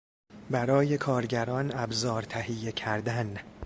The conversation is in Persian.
برای کارگران ابزار تهیه کردن